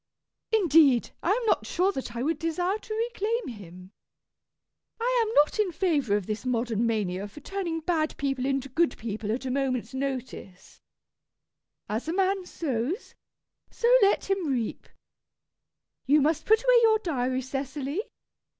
Indeed I am not sure that I would desire to reclaim him. I am not in favour of this modern mania for turning bad people into good people at a moment's notice. As a man sows so let him reap. You must put away your diary, Cecily.